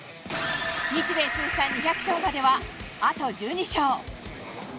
日米通算２００勝までは、あと１２勝。